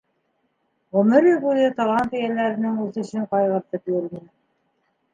Ғүмере буйы талант эйәләренең үҫешен ҡайғыртып йөрөнө.